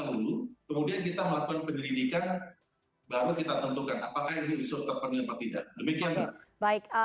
kita terima dahulu kemudian kita melakukan pendidikan baru kita tentukan apakah ini resurs terpenuh atau tidak demikianlah